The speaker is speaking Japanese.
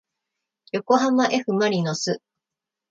よこはまえふまりのす